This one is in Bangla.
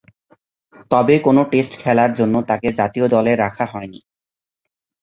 তবে কোন টেস্ট খেলার জন্যে তাকে জাতীয় দলে রাখা হয়নি।